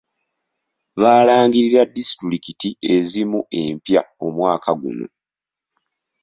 Baalangirira disitulikiti ezimu empya omwaka guno.